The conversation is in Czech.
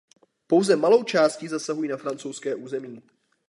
Pouze malou částí zasahují na francouzské území.